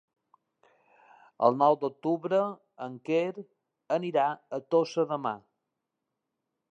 El nou d'octubre en Quer anirà a Tossa de Mar.